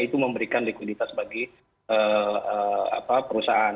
itu memberikan likuiditas bagi perusahaan